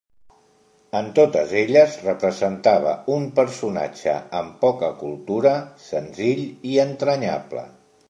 En totes elles representava un personatge amb poca cultura, senzill i entranyable.